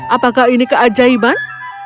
apakah ini keajaiban